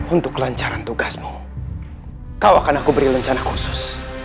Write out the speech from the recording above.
untuk kelancaran tugasmu kau akan aku beri rencana khusus